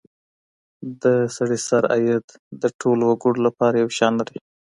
د سړي سر عايد د ټولو وګړو لپاره يو شان نه دی.